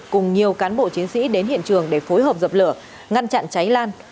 cùng nhiều cán bộ chiến sĩ đến hiện trường để phối hợp dập lửa ngăn chặn cháy lan